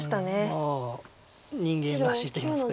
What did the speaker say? まあ人間らしいといいますか。